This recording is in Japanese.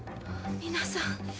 皆さん。